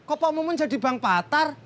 empo mumun jadi bang patar